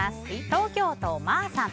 東京都の方。